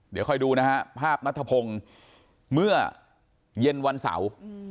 เดี๋ยวค่อยดูนะฮะภาพนัทธพงศ์เมื่อเย็นวันเสาร์